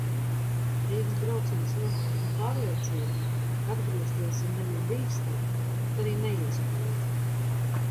Rīgas brauciens nostiprina pārliecību, ka atgriezties ir nevien bīstami, bet arī neiespējami.